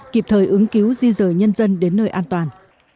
kịp thời ứng cứu di rời nhân dân đến nơi an toàn